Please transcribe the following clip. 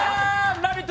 「ラヴィット！」